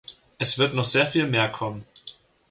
Es wird noch sehr viel mehr kommen.